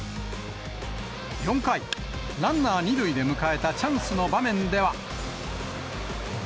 ４回、ランナー２塁で迎えたチャンスの場面では。